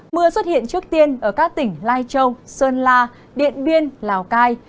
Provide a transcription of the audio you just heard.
mưa xuất hiện trước tiên ở các tỉnh lai châu sơn la điện biên lào cai